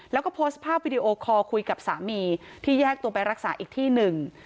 แล้วก็โพสต์ภาพวิดีโอคอลคุยกับสามีที่แยกตัวไปรักษาอีกที่หนึ่ง